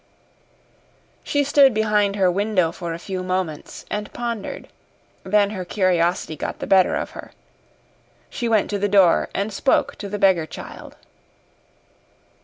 She stood behind her window for a few moments and pondered. Then her curiosity got the better of her. She went to the door and spoke to the beggar child.